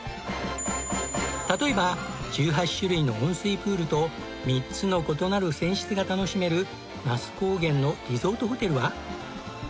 例えば１８種類の温水プールと３つの異なる泉質が楽しめる那須高原のリゾートホテルは。